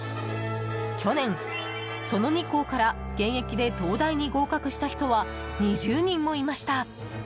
去年、その２校から現役で東大に合格した人は２０人もいました。